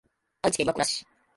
愛知県岩倉市